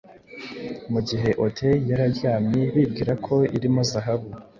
mugihe Odyeu yari aryamye, bibwira ko irimo zahabu.